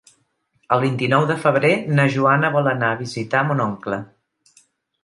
El vint-i-nou de febrer na Joana vol anar a visitar mon oncle.